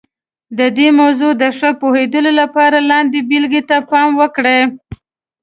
د دې موضوع د ښه پوهېدلو لپاره لاندې بېلګې ته پام وکړئ.